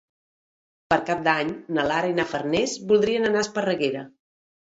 Per Cap d'Any na Lara i na Farners voldrien anar a Esparreguera.